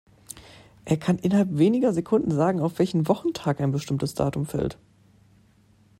Er kann innerhalb weniger Sekunden sagen, auf welchen Wochentag ein bestimmtes Datum fällt.